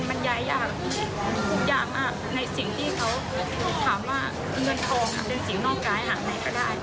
มันย้ายยากยากมากในสิ่งที่เขาถามว่าเงินคลองเป็นสิ่งนอกงานไหนก็ได้